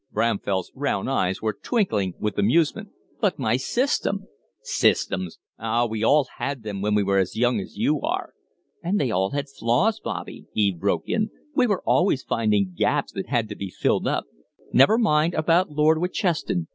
Bramfell's round eyes were twinkling with amusement. "But my system " "Systems! Ah, we all had them when we were as young as you are!" "And they all had flaws, Bobby," Eve broke in. "We were always finding gaps that had to be filled up. Never mind about Lord Witcheston.